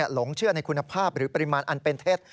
หลงเชื่อในคุณภาพหรือปริมาณอันเป็นเท็จ